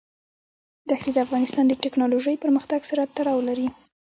ښتې د افغانستان د تکنالوژۍ پرمختګ سره تړاو لري.